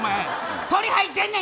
鳥入ってんねん！